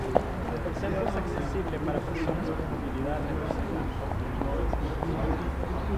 El Centro es accesible para personas con movilidad reducida, aunque no el servicio.